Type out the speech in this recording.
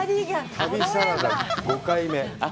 旅サラダ、５回目。